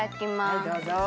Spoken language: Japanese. はいどうぞ。